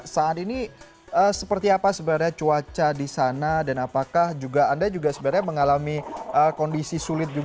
saat ini seperti apa sebenarnya cuaca di sana dan apakah anda juga sebenarnya mengalami kondisi sulit